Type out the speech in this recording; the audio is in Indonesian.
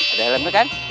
ada helmnya kan